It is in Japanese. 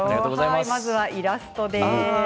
まずはイラストです。